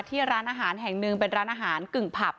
ที่ร้านอาหารแห่งหนึ่งเป็นร้านอาหารกึ่งผับ